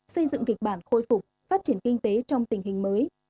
xây dựng kịch bản khôi phục phát triển kinh tế trong tình hình mới